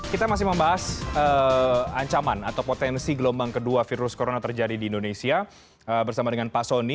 kita masih membahas ancaman atau potensi gelombang kedua virus corona terjadi di indonesia bersama dengan pak soni